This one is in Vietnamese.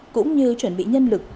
cũng như chuẩn bị nhân lực